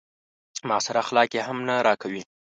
معاصر اخلاق يې هم نه راکوي.